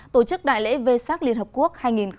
tổ chức đại lễ vê sát liên hợp quốc hai nghìn một mươi chín